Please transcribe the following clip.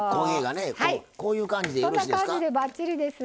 そんな感じでばっちりです。